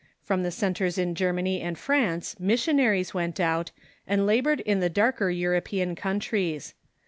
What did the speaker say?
From the centres in Germany and France missionaries went out, and la bored in the darker European countries.